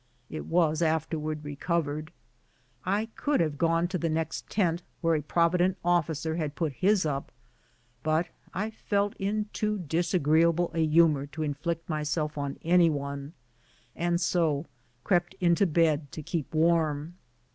* I could have gone to the next tent where a provident officer had put his up, but I felt in too disagreeable a humor to inflict my self on any one, and so crept into bed to keep warm.